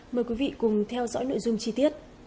mời quý vị cùng theo dõi nội dung chi tiết